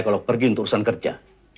kalau pergi untuk urusan kerja